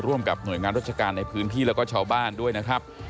กับหน่วยงานราชการในพื้นที่แล้วก็ชาวบ้านด้วยนะครับ